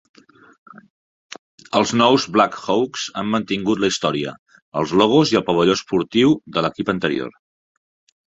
Els "nous" Black Hawks han mantingut la història, els logos i el pavelló esportiu de l'equip anterior.